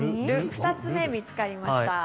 ２つ目見つかりました。